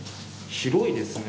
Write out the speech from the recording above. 広いですね。